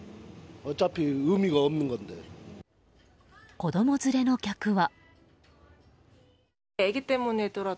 子供連れの客は。